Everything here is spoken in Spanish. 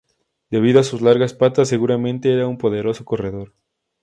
Debido a sus largas patas, seguramente era un poderoso corredor.